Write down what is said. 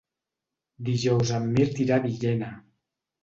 Dijous en Mirt irà a Villena.